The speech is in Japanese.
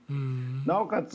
なおかつ